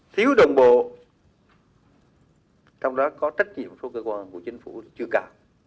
thiếu đồng bộ trong đó có trách nhiệm của các bộ cơ quan của chính phủ chưa cả